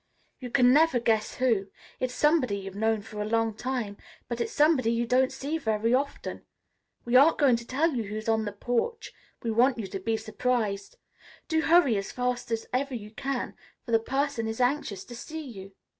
"You can never guess who. It's somebody you've known for a long time, but it's somebody you don't see very often. We aren't going to tell you who's on the porch. We want you to be surprised. Do hurry as fast as ever you can, for the person is anxious to see you."